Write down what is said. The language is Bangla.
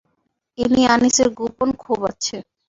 এ নিয়ে আনিসের গোপন ক্ষোভ আছে।